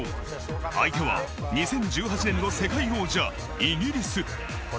相手は２０１８年の世界王者・イギリス。